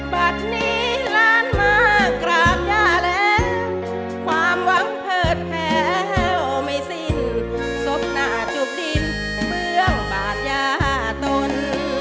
บัตรนี้ล้านมากราบย่าแล้วความหวังเถิดแพ้วไม่สิ้นศพหน้าจูบดินเบื้องบาดยาตน